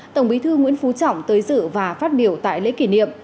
tổng bí thư nguyễn phú trọng tới dự và phát biểu tại lễ kỷ niệm